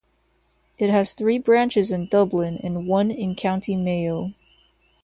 It has three branches in Dublin and one in County Mayo.